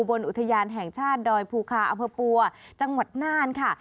บนอุทยานแห่งชาติดอยภูคาอำเภอปัวจังหวัดน่านค่ะ